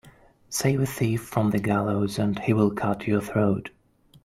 Save a thief from the gallows and he will cut your throat.